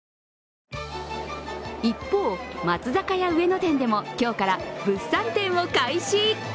一方、松坂屋上野店でも今日から物産展を開始。